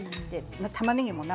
たまねぎも生。